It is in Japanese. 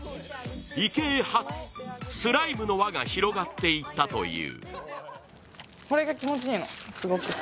池江初、スライムの輪が広がっていったという。